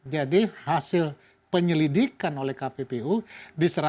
jadi hasil penyelidikan oleh kpk mereka mengambil kesempatan